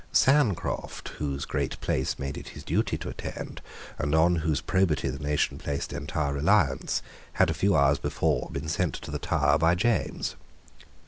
Sancroft, whose great place made it his duty to attend, and on whose probity the nation placed entire reliance, had a few hours before been sent to the Tower by James.